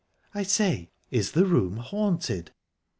"I say, is the room haunted?"